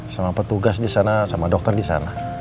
sama petugas disana sama dokter disana